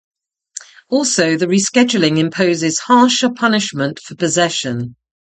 Also, the rescheduling imposes harsher punishment for possession.